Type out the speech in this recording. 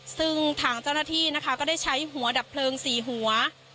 ซึ่งทางเจ้าหน้าที่นะคะก็ได้ใช้หัวดับเพลิง๔หัว